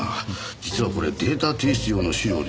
実はこれデータ提出用の資料でして。